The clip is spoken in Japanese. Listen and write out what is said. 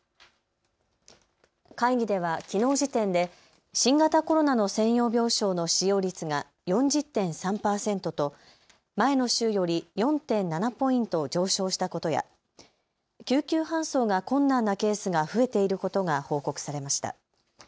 会議ではきのう時点で新型コロナの専用病床の使用率が４０．３％と前の週より４．７ポイント上昇したことや救急搬送が困難なケースが増えていることが報告されました。